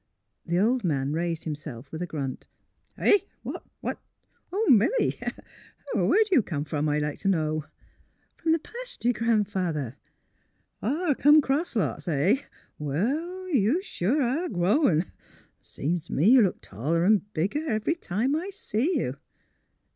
" The old man raised himself with a grunt. *' Eh!— What? Why, Milly!— Where 'd you come f'om, I'd like t' know? "'' From the pasture. Gran 'father." '' Come cross lots. — Eh? Well, well! you sure are growin'; seems t' me you look taller 'n' bigger every time I see you.